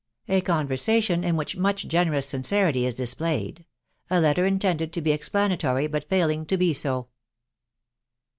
A CONVERSATION IV WHICH MDCT GENEROUS SINCERITY IS DISPLAYED. — A LETTER INTENDED ID B EXPLANATORY, BUT FAILING TO BE SO.